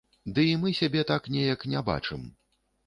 Ды і мы сябе там неяк не бачым.